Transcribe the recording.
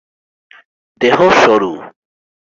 দেহ সরু।